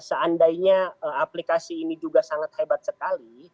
seandainya aplikasi ini juga sangat hebat sekali